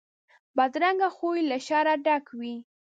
بدرنګه خوی له شره ډک وي